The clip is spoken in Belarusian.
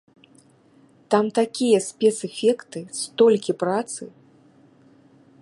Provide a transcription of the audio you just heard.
Там такія спецэфекты, столькі працы!